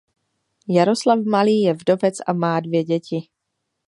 Jaroslav Malý je vdovec a má dvě děti.